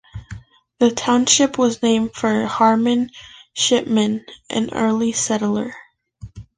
The township was named for Harmon Shipman, an early settler.